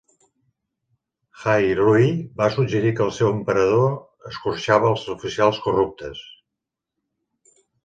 Hai Rui va suggerir que el seu emperador escorxava els oficials corruptes.